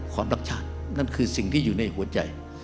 รักชาตินั่นคือสิ่งที่อยู่ในหัวใจ